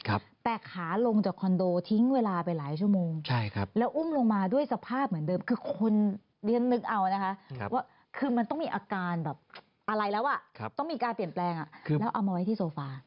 อะไรแล้วอ่ะต้องมีการเปลี่ยนแปลงแล้วเอามาไว้ที่โซฟา